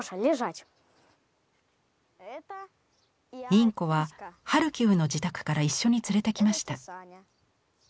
インコはハルキウの自宅から一緒に連れてきました。